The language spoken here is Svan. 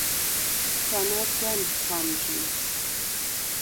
შუ̂ანა̈რს გუ̂ა̈მთქუ̂ა ამჟინ.